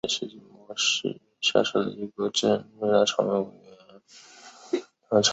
沙瓦讷勒维龙是瑞士联邦西部法语区的沃州下设的一个镇。